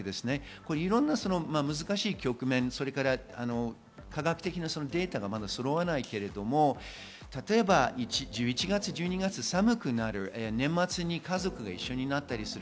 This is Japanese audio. いろんな難しい局面、科学的なデータがそろわないけれど例えば１１月、１２月、寒くなる年末に家族が一緒になったりする。